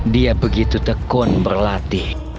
dia begitu tekun berlatih